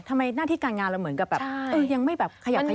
ทำไมหน้าที่การงานเราเหมือนกับยังไม่แบบขยับขยาย